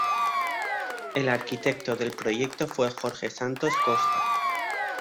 El arquitecto del proyecto fue Jorge Santos Costa.